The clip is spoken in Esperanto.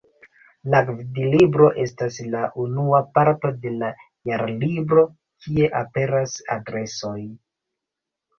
La „Gvidlibro” estas la unua parto de la Jarlibro, kie aperas adresoj.